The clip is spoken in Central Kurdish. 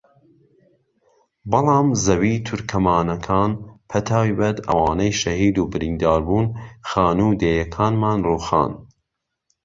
بەڵام زەوی تورکمانەکان بەتایبەت ئەوانەی شەهید و بریندار بوون خانوو و دێیەکانمان رووخان